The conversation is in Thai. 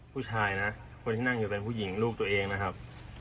ผู้ชายนะคนที่นั่งอยู่เป็นผู้หญิงลูกตัวเองนะครับ